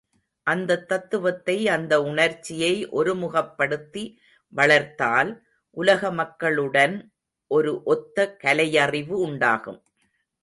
அந்தத் தத்துவத்தை, அந்த உணர்ச்சியை ஒருமுகப் படுத்தி வளர்த்தால், உலக மக்களுடன் ஒரு ஒத்த கலையறிவு உண்டாகும்.